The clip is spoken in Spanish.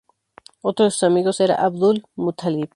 Otro de sus amigos era Abdul-Muttalib.